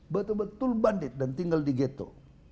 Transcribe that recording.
betul betul bandit dan tinggal di geto